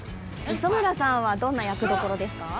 磯村さんは、どんな役どころですか。